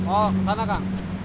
oh kesana kang